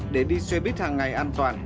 để đi xe buýt hàng ngày an toàn